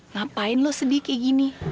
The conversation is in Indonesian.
ngapain lu sedih kayak gini